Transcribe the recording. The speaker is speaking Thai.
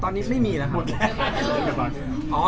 ตอนนี้ไม่มีแล้วครับ